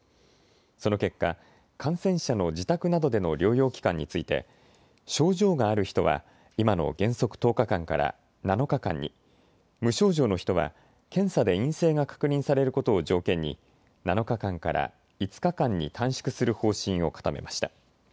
その結果、感染者の自宅などでの療養期間について症状がある人は今の原則１０日間から７日間に、無症状の人は検査で陰性が確認されることを条件に７日間から５日間に短縮する方針を固めました。